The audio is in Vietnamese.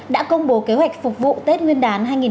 đã công bố kế hoạch phục vụ tết nguyên đán hai nghìn hai mươi